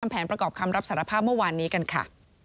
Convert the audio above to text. แผนประกอบคำรับสารภาพเมื่อวานนี้กันค่ะ